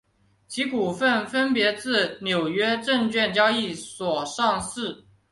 其股份分别自纽约证券交易所上市。